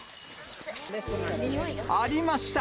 ありました！